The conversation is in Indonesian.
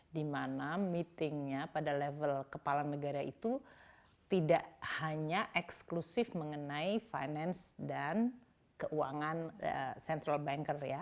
dimana meetingnya pada level kepala negara itu tidak hanya eksklusif mengenai finance dan keuangan